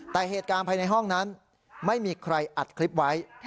แต่เหตุการณ์ภายในห้องนั้นไม่มีใครอัดคลิปไว้